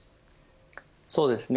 そうですね。